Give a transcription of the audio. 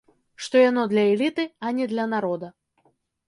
Што яно для эліты, а не для народа.